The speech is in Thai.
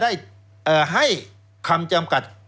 แล้วเขาก็ใช้วิธีการเหมือนกับในการ์ตูน